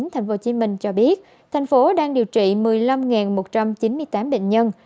thành phố hồ chí minh cho biết thành phố đang điều trị một mươi năm một trăm chín mươi tám bệnh nhân